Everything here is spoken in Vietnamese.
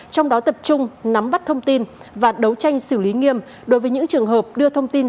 trong đó tập trung nắm bắt thông tin và đấu tranh xử lý nghiêm đối với những trường hợp đưa thông tin